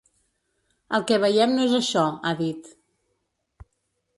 El que veiem no és això, ha dit.